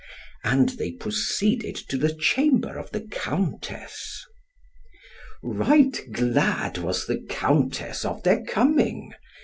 And they proceeded to the chamber of the Countess. Right glad was the Countess of their coming.